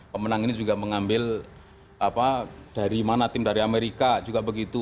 pemenang ini juga mengambil dari mana tim dari amerika juga begitu